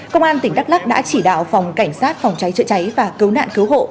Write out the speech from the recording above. công an tỉnh đắk lắc đã chỉ đạo phòng cảnh sát phòng cháy chữa cháy và cứu nạn cứu hộ